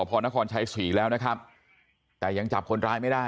พอนครชัยศรีแล้วนะครับแต่ยังจับคนร้ายไม่ได้